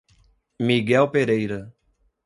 Miguel Pereira